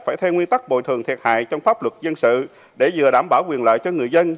phải theo nguyên tắc bồi thường thiệt hại trong pháp luật dân sự để vừa đảm bảo quyền lợi cho người dân